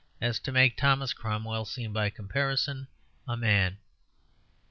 as to make Thomas Cromwell seem by comparison a man.